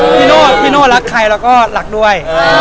พี่โน่รักใครแล้วก็รักด้วย